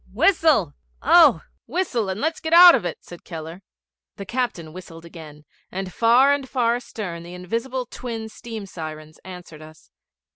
'Whistle, oh! whistle, and let's get out of it,' said Keller. The captain whistled again, and far and far astern the invisible twin steam sirens answered us.